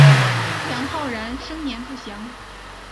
杨浩然生年不详。